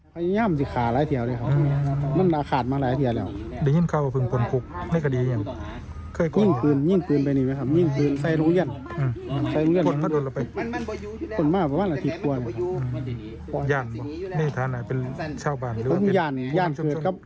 ยื้อน้ำเบาไหล่พร้อมทำลายหลังกายได้ครับ